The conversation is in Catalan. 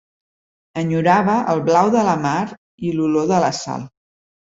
Enyorava el blau de la mar i l'olor de la sal.